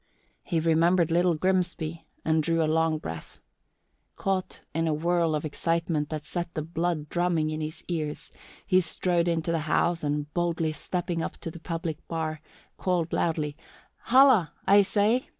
He remembered Little Grimsby and drew a long breath. Caught in a whirl of excitement that set the blood drumming in his ears, he strode into the house and, boldly stepping up to the public bar, called loudly, "Holla, I say!